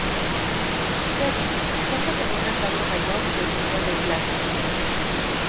El presbiterio cuenta con un retablo mayor de estilo neoclásico.